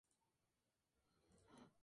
Ese mismo año.